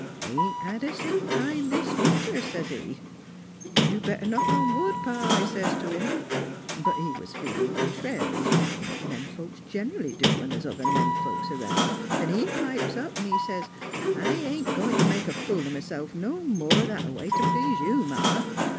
* Ain't had a sick time this winter,' s's he. ' You'd better knock on wood, Pa,' I says t' him. But he was feelin' contrary, like men folks gen'ally do when th's other men folks round, 'n' he pipes up 'n' says: 4 1 ain't a goin' t' make a fool o' m'self no more that a way to please you, Ma.'